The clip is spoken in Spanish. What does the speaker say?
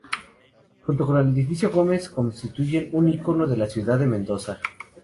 Junto con el Edificio Gómez constituyen un icono de la Ciudad de Mendoza.